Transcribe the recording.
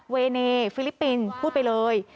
เนฟิลิปปินส์พูดไปเลย